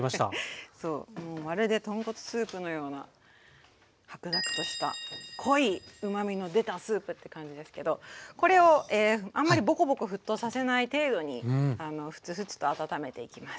まるで豚骨スープのような白濁とした濃いうまみの出たスープって感じですけどこれをあんまりボコボコ沸騰させない程度にフツフツと温めていきます。